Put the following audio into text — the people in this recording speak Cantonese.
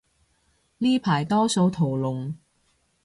呢排多數屠龍